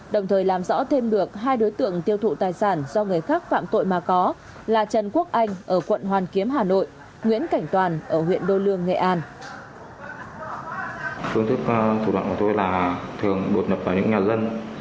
đồng thời làm rõ thêm được hai đối tượng tiêu thụ tài sản do người khác phạm tội mà có là trần quốc anh ở quận hoàn kiếm hà nội nguyễn cảnh toàn ở huyện đô lương nghệ an